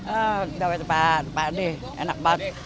oh dawet pak d enak banget